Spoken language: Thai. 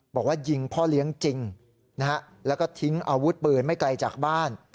บอกว่ายิงพ่อเลี้ยงจริงนะฮะแล้วก็ทิ้งอาวุธปืนไม่ไกลจากบ้าน